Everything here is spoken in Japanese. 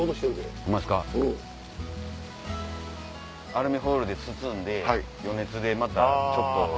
アルミホイルで包んで余熱でまたちょっと。